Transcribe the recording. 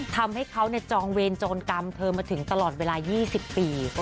ทำให้เขาจองเวรโจรกรรมเธอมาถึงตลอดเวลา๒๐ปี